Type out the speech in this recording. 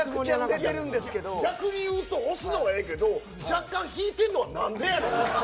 逆に言うと推すのはええけど若干、引いてるのは何でやろ。